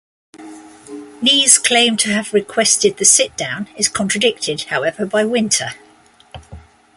Nee's claim to have requested the sit-down is contradicted, however, by Winter.